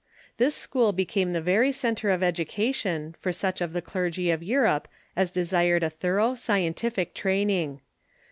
This school became the very centre of education for such of the clergy of Europe as desired a thorough scientific training.